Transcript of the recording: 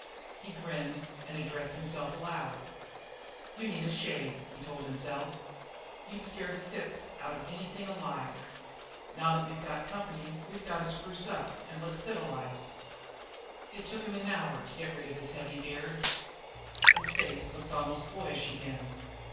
He grinned, and addressed himself aloud. "You need a shave," he told himself. "You'd scare fits out of anything alive! Now that we've got company we've got to spruce up, an' look civilized." It took him an hour to get rid of his heavy beard. His face looked almost boyish again.